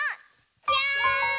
じゃん！